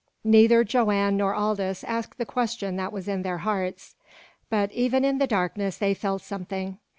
Neither Joanne nor Aldous asked the question that was in their hearts. But even in the darkness they felt something.